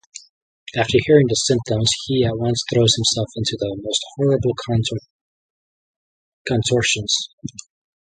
After hearing the symptoms he at once throws himself into the most horrible contortions.